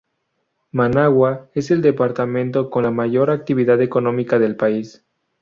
Managua es el departamento con la mayor actividad económica del país.